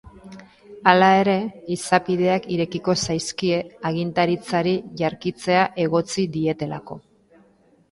Hala ere, izapideak irekiko zaizkie agintaritzari jarkitzea egotzi dietelako.